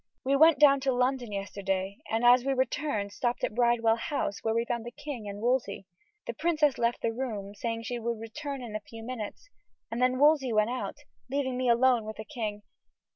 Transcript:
We went down to London yesterday, and as we returned stopped at Bridewell House, where we found the king and Wolsey. The princess left the room, saying she would return in a few minutes, and then Wolsey went out, leaving me alone with the king.